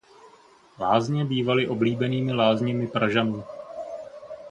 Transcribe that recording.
Lázně bývaly oblíbenými lázněmi Pražanů.